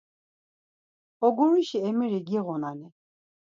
Oguruşi emiri giğunani?